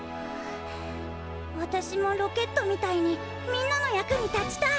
あたしもロケットみたいにみんなの役に立ちたい！